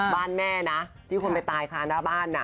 บ้านแม่นะที่คนไปตายค้าหน้าบ้านนะ